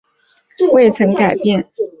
其目标至今未曾改变。